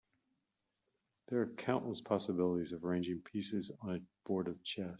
There are countless possibilities of arranging pieces on a board of chess.